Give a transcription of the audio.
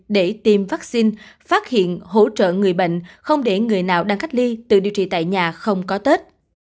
để tiêm vaccine phát hiện hỗ trợ người bệnh không để người nào đang cách ly tự điều trị tại nhà không có tết